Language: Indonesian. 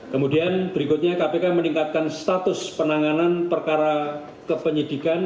kemudian berikutnya kpk meningkatkan status penanganan perkara kepenyidikan